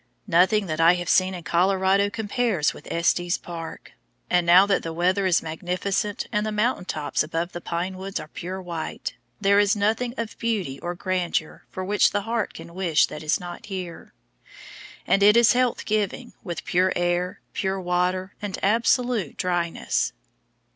Nothing that I have seen in Colorado compares with Estes Park; and now that the weather is magnificent, and the mountain tops above the pine woods are pure white, there is nothing of beauty or grandeur for which the heart can wish that is not here; and it is health giving, with pure air, pure water, and absolute dryness.